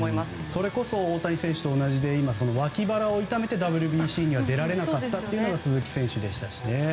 それこそ大谷選手と同じで脇腹を痛めてＷＢＣには出られなかったのが鈴木選手でしたしね。